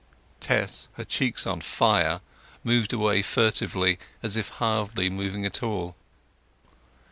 Tess, her cheeks on fire, moved away furtively, as if hardly moving at all.